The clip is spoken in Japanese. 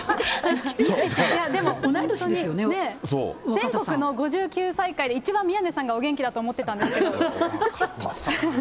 全国の５９歳以下で、宮根さんが一番お元気だと思ってたんですけど。